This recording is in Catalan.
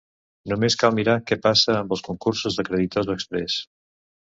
Només cal mirar què passa amb els concursos de creditors exprés.